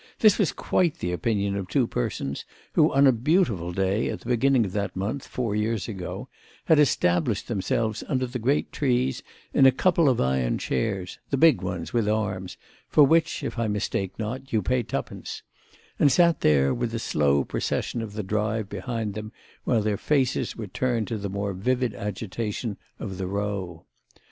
This was quite the opinion of two persons who on a beautiful day at the beginning of that month, four years ago, had established themselves under the great trees in a couple of iron chairs—the big ones with arms, for which, if I mistake not, you pay twopence—and sat there with the slow procession of the Drive behind them while their faces were turned to the more vivid agitation of the Row.